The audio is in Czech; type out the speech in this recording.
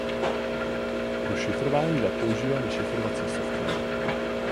Pro šifrování dat používáme šifrovací software.